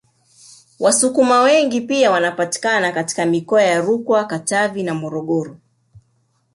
Wasukuma wengi pia wanapatikana katika mikoa ya Rukwa Katavi na Morogoro